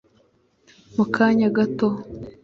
mu kanya gato